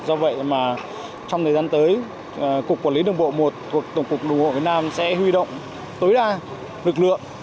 do vậy trong thời gian tới cục quản lý đường bộ một cục đồng hộ việt nam sẽ huy động tối đa lực lượng